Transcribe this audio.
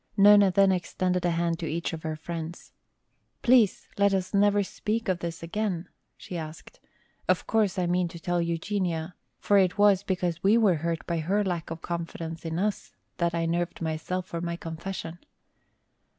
Nona then extended a hand to each of her friends. "Please let us never speak of this again," she asked. "Of course, I mean to tell Eugenia, for it was because we were hurt by her lack of confidence in us that I nerved myself for my confession."